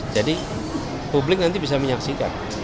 jadi publik nanti bisa menyaksikan